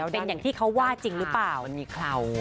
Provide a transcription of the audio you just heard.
เป็นอย่างที่เขาว่าจริงหรือเปล่า